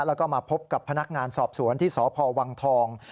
แล้วก็มาพบกับพนักงานสอบสวนที่สพวังทอง